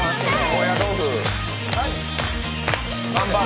高野豆腐ー。